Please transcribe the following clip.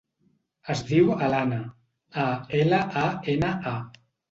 Es diu Alana: a, ela, a, ena, a.